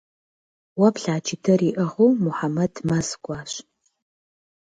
Уэ плъа джыдэр иӏыгъыу Мухьэмэд мэз кӏуащ.